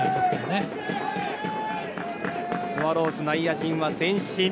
スワローズ内野陣は前進。